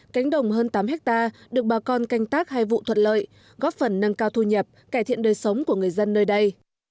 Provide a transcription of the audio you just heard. cánh đồng hơn tám hectare được bà con canh tác hai vụ thuận lợi góp phần nâng cao thu nhập cải thiện đời sống của người dân nơi đây